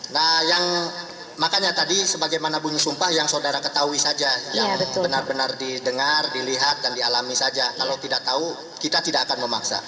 nah yang makanya tadi sebagaimana bunyi sumpah yang saudara ketahui saja yang benar benar didengar dilihat dan dialami saja kalau tidak tahu kita tidak akan memaksa